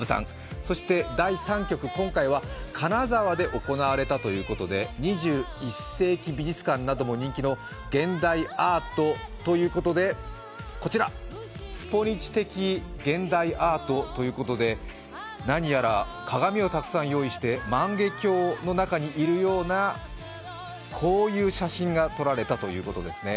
そして第３局今回は金沢で行われたということで２１世紀美術館なども人気の現代アートということでこちら、「スポニチ」的現代アートということで何やら鏡をたくさん用意して万華鏡の中にいるようなこういう写真が撮られたということですね。